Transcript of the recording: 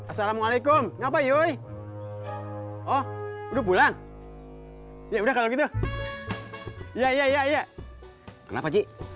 assalamualaikum ngapain oh udah pulang ya udah kalau gitu ya ya ya ya kenapa